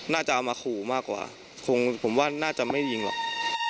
น่าจะเอามาขู่มากกว่าคงผมว่าน่าจะไม่ยิงหรอก